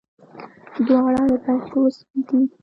دواړه د پيسو سپي دي.